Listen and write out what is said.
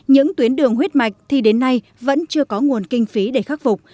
những tuyến đường huyết mạch thì đến nay vẫn chưa có nguồn kinh phí để khắc phục